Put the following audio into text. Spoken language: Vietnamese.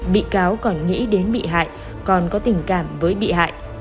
bị cáo còn nghĩ đến bị hại còn có tình cảm với bị hại